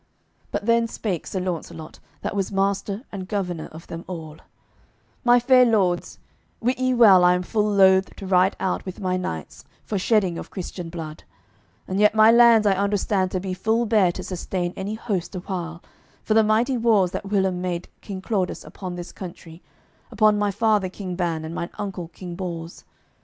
But then spake Sir Launcelot, that was master and governor of them all: "My fair lords, wit ye well I am full loath to ride out with my knights, for shedding of Christian blood; and yet my lands I understand to be full bare to sustain any host a while, for the mighty wars that whilom made King Claudas upon this country, upon my father King Ban and on mine uncle King Bors.